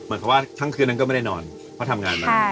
เหมือนกับว่าทั้งคืนนั้นก็ไม่ได้นอนเพราะทำงานมา